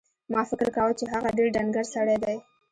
ما فکر کاوه چې هغه ډېر ډنګر سړی دی.